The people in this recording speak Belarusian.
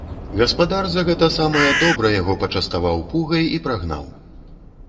Гаспадар за гэта самае добра яго пачаставаў пугай і прагнаў.